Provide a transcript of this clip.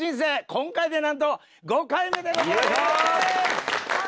今回でなんと５回目でございます！